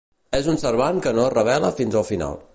És un servant que no es revela fins al final.